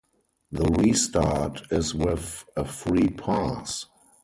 The restart is with a free pass.